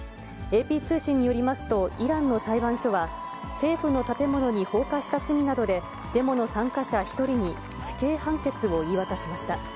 ＡＰ通信によりますと、イランの裁判所は、政府の建物に放火した罪などで、デモの参加者１人に死刑判決を言い渡しました。